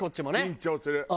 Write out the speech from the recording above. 緊張する。